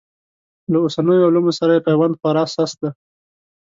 له اوسنیو علومو سره یې پیوند خورا سست دی.